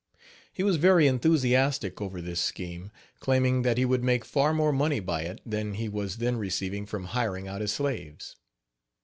He was very enthusiastic over this scheme, claiming that he would make far more money by it than he was then receiving from hiring out his slaves.